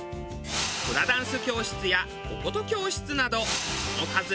フラダンス教室やお琴教室などその数６つ。